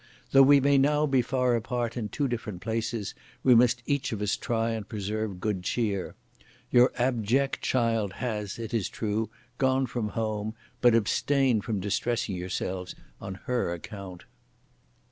Though we may now be far apart in two different places, we must each of us try and preserve good cheer. Your abject child has, it is true, gone from home, but abstain from distressing yourselves on her account!"